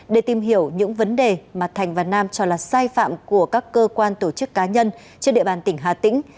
để tìm hiểu những vấn đề mà thành và nam cho là sai phạm của các cơ quan tổ chức cá nhân trên địa bàn tỉnh hà tĩnh